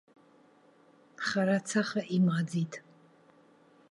Хара ацаха имаӡеит.